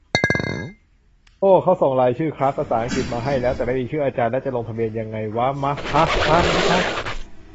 โอ้ เขาส่งรายชื่อคลาสภาษาอังกฤษมาให้แล้ว แต่ไม่มีชื่ออาจารย์ แล้วจะลงทะเบียนยังไงวะมะฮะ ฮะ ฮะ